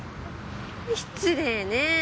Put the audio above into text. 失礼ねえ。